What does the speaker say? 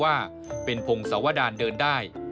ว่าเป็นพงศวดารเดินได้